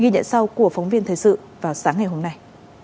ghi nhận sau của phóng viên thời sự vào sáng ngày hôm nay